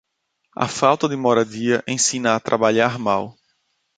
A falta de moradia ensina a trabalhar mal.